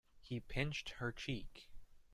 He pinched her cheek.